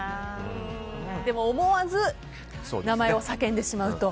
でも思わず名前を叫んでしまうと。